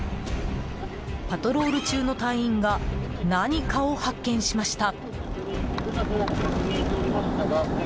パトロール中の隊員が何かを発見しました。